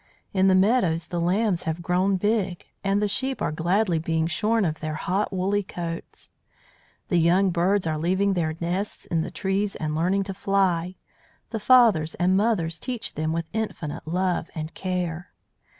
In the meadows the lambs have grown big, and the sheep are gladly being shorn of their hot woolly coats. The young birds are leaving their nests in the trees and learning to fly, the fathers and mothers teach them with infinite love and care.